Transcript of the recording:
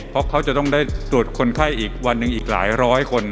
เพราะเขาจะต้องได้ตรวจคนไข้อีกวันหนึ่งอีกหลายร้อยคน